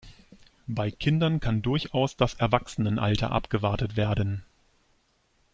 Bei Kindern kann durchaus das Erwachsenenalter abgewartet werden.